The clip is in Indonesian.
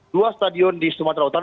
dua stadion di sumatera utara